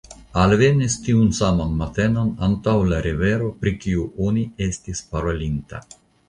Alvenis tiun saman matenon antaŭ la rivero, pri kiu oni estis parolinta.